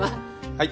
はい。